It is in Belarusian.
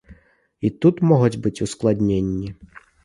І тут могуць быць ускладненні.